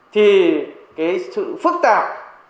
thì cái sự phức tạp